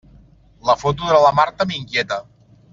La foto de la Marta m'inquieta.